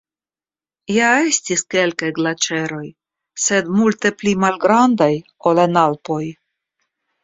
Ja estis kelkaj glaĉeroj, sed multe pli malgrandaj ol en Alpoj.